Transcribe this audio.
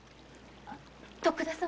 徳田様。